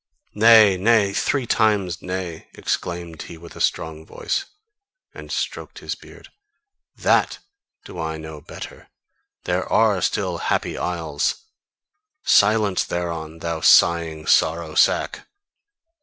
"Nay! Nay! Three times Nay!" exclaimed he with a strong voice, and stroked his beard "THAT do I know better! There are still Happy Isles! Silence THEREON, thou sighing sorrow sack!